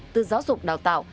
từ giáo dục đào tạo